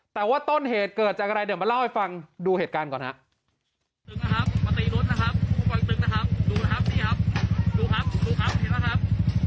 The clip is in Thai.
แต่ว่าต้นเหตุเกิดจากอะไรเดี๋ยวมาเล่าให้ฟังดูเหตุการณ์ก่อนครับ